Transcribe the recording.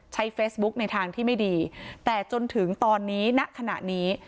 ใช้เฟซบุ๊กในทางที่ไม่ดีแต่จนถึงตอนนี้ณขณะนี้